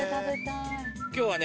今日はね